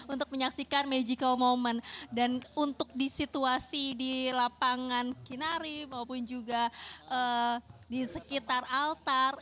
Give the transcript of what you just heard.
untuk menyaksikan magical moment dan untuk di situasi di lapangan kinari maupun juga di sekitar altar